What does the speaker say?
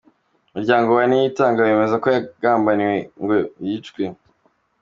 Umuryango wa Niyitanga wemeza ko yagambaniwe ngo yicwe